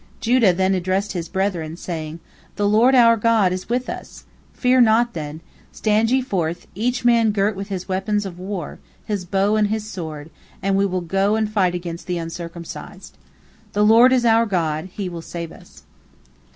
Judah then addressed his brethren, saying: "The Lord our God is with us! Fear naught, then! Stand ye forth, each man girt with his weapons of war, his bow and his sword, and we will go and fight against the uncircumcised. The Lord is our God, He will save us."